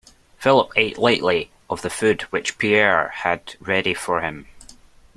Philip ate lightly of the food which Pierre had ready for him.